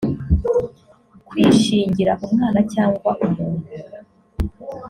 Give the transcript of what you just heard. kwishingira umwana cyangwa umuntu